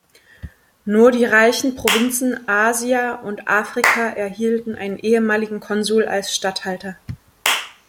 Nur die reichen Provinzen "Asia" und "Africa" erhielten einen ehemaligen Konsul als Statthalter.